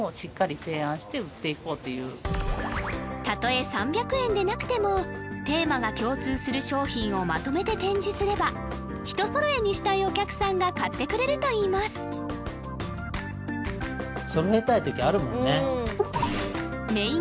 たとえ３００円でなくてもテーマが共通する商品をまとめて展示すればひと揃えにしたいお客さんが買ってくれるといいます揃えたいときあるもんね